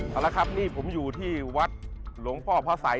ครับผมอยู่ที่วัดหลวงพ่อพระสัย